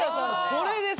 それです。